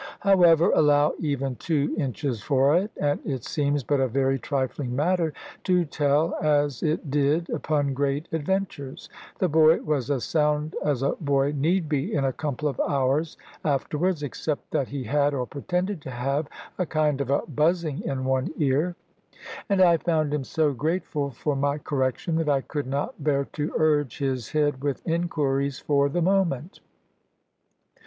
However, allow even two inches for it, and it seems but a very trifling matter to tell as it did upon great adventures. The boy was as sound as a boy need be in a couple of hours afterwards, except that he had, or pretended to have, a kind of a buzzing in one ear; and I found him so grateful for my correction, that I could not bear to urge his head with inquiries for the moment.